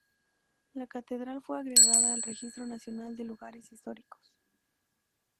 La catedral fue agregada al Registro Nacional de Lugares Históricos.